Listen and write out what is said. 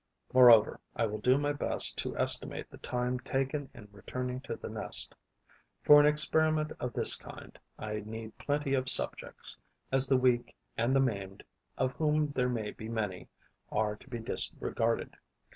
Moreover, I will do my best to estimate the time taken in returning to the nest. For an experiment of this kind, I need plenty of subjects, as the weak and the maimed, of whom there may be many, are to be disregarded.